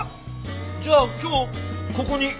じゃあ今日ここに１泊？